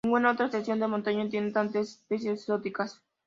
Ninguna otra estación de montaña tiene tantas especies exóticas.